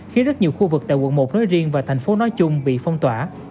khiến rất nhiều khu vực tại quận một nói riêng và thành phố nói chung bị phong tỏa